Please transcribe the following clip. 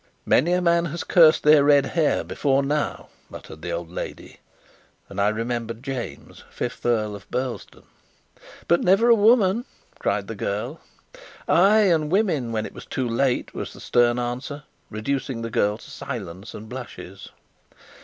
"Many a man has cursed their red hair before now," muttered the old lady and I remembered James, fifth Earl of Burlesdon. "But never a woman!" cried the girl. "Ay, and women, when it was too late," was the stern answer, reducing the girl to silence and blushes.